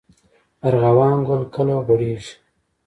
ارغوان ګل کله غوړیږي؟